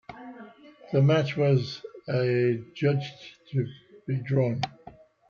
The match was adjudged to be drawn.